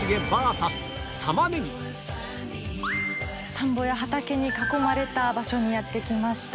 田んぼや畑に囲まれた場所にやって来ました。